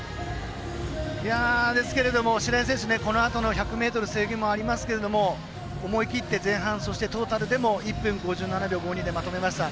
ですけれども白井選手１００ｍ背泳ぎもありますけれども思い切って前半、トータルでも１分５７秒５２でまとめました。